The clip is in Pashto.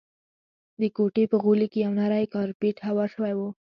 د کوټې په غولي کي یو نری کارپېټ هوار شوی وو.